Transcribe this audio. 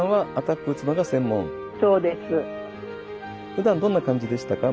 ふだんどんな感じでしたか？